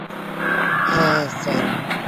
হেই, Sam.